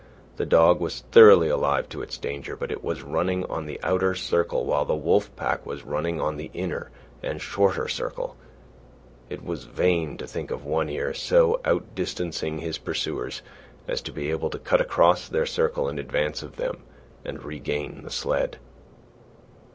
The dog was thoroughly alive to its danger, but it was running on the outer circle while the wolf pack was running on the inner and shorter circle. It was vain to think of One Ear so outdistancing his pursuers as to be able to cut across their circle in advance of them and to regain the sled.